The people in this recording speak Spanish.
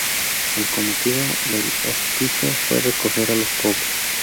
El cometido del hospicio fue recoger a los pobres.